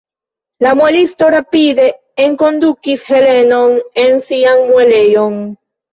La muelisto rapide enkondukis Helenon en sian muelejon.